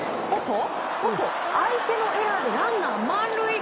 相手のエラーでランナー満塁。